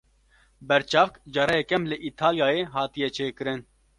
Berçavk cara yekem li Îtalyayê hatiye çêkirin.